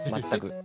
全く。